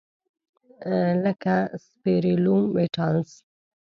لکه سپیریلوم ولټانس.